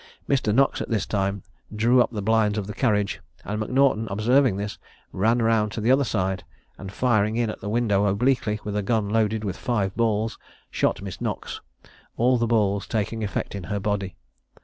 Mr. Knox at this time drew up the blinds of the carriage, and M'Naughton observing this, ran round to the other side, and firing in at the window obliquely, with a gun loaded with five balls, shot Miss Knox, all the balls taking effect in her body.